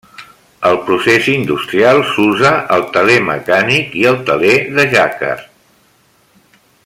El procés industrial s'usa el teler mecànic i el teler de Jacquard.